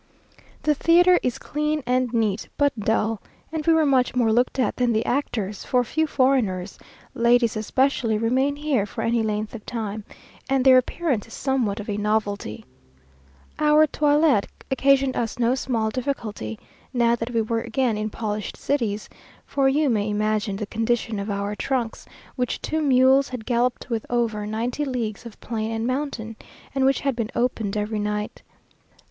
The theatre is clean and neat, but dull, and we were much more looked at than the actors, for few foreigners (ladies especially) remain here for any length of time, and their appearance is somewhat of a novelty. Our toilet occasioned us no small difficulty, now that we were again in polished cities, for you may imagine the condition of our trunks, which two mules had galloped with over ninety leagues of plain and mountain, and which had been opened every night.